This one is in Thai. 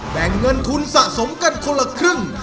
แบ่งเงินทุนสะสมกันคนละครึ่ง